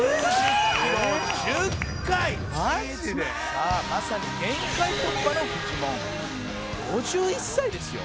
「さあまさに限界突破のフィジモン」「５１歳ですよ」